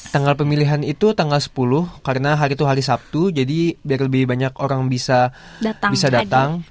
tanggal pemilihan itu tanggal sepuluh karena hari itu hari sabtu jadi biar lebih banyak orang bisa datang